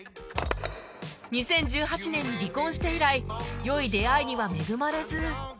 ２０１８年に離婚して以来良い出会いには恵まれず